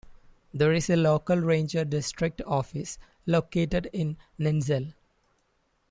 There is a local ranger district office located in Nenzel.